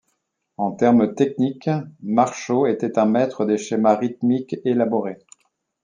En termes techniques, Machaut était un maître des schémas rythmiques élaborés.